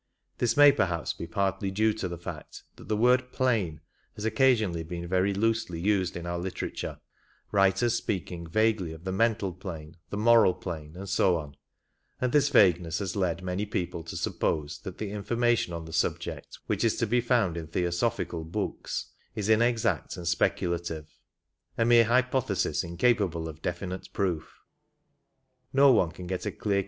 This may perhaps be partly due to the fact that the word " plane " has occasionally been very loosely used in our literature — writers speaking vaguely of the mental plane, the moral plane, and so on ; and this vagueness has led many people to suppose that the information on the subject which is to be found in Theosophical books is inexact and speculative — a mere hypothesis incapable of definite proof. No one can get a clear